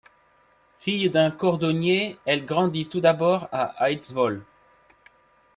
Fille d'un cordonnier, elle grandit tout d'abord à Eidsvoll.